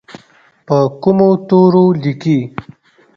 په کومو تورو لیکي؟